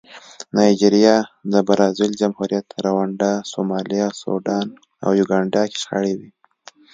نایجریا، د برازاویل جمهوریت، رونډا، سومالیا، سوډان او یوګانډا کې شخړې وې.